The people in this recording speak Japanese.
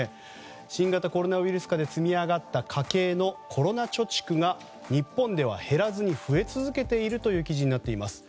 新型コロナウイルス禍で積み上がった家計のコロナ貯蓄が日本では減らずに増え続けているという記事になっています。